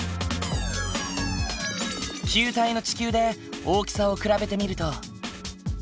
球体の地球で大きさを比べてみると。